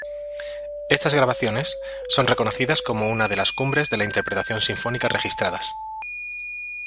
Estas grabaciones son reconocidas como una de las cumbres de la interpretación sinfónica registradas.